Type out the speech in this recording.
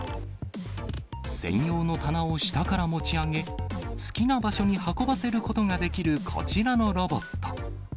専用の棚を下から持ち上げ、好きな場所に運ばせることができる、こちらのロボット。